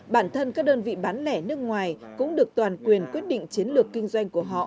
bản thân các đơn vị bán lẻ nước ngoài cũng được toàn quyền quyết định chiến lược kinh doanh của họ